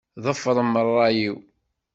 Ḍefṛem ṛṛay-iw.